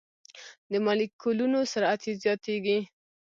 د مالیکولونو سرعت یې زیاتیږي.